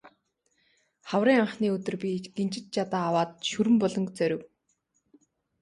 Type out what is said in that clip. Хаврын анхны өдөр би гинжит жадаа аваад Шүрэн буланг зорив.